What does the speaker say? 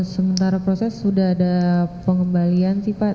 sementara proses sudah ada pengembalian sih pak